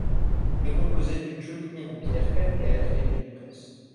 Il est composé d'une cheminée en pierres calcaire et d'une presse.